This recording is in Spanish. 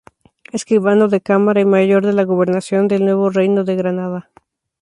Escribano de cámara y Mayor de la Gobernación del Nuevo Reino de Granada.